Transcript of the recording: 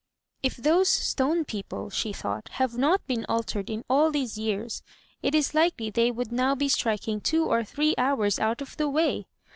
"If those stone people," she thought, "have not been altered in all these years, it is likely they would now be striking two or three hours out of the way!